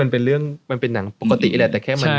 มันเป็นเรื่องเป็นหนังปกติแหละ